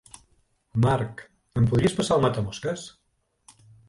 Marc, em podries passar el matamosques?